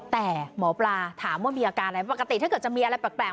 แต่หมอปลาถามว่ามีอาการอะไรปกติถ้าเกิดจะมีอะไรแปลก